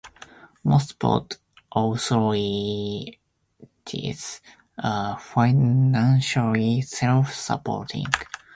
Most port authorities are financially self-supporting.